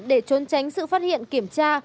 để trốn tránh sự phát hiện kiểm tra